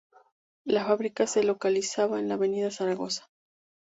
La fábrica se localizaba en la avenida Zaragoza.